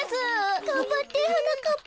がんばってはなかっぱ。